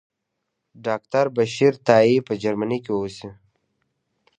ډاکټر بشیر تائي په جرمني کې اوسي.